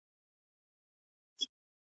ستا پر ښايست تبصرې کيږي